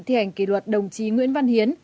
thi hành kỷ luật đồng chí nguyễn văn hiến